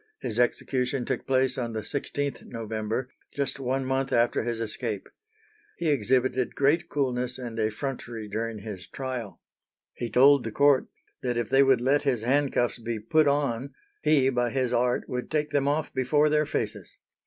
His execution took place on the 16th November, just one month after his escape. He exhibited great coolness and effrontery during his trial. He told the court that if they would let his handcuffs be put on he by his art would take them off before their faces.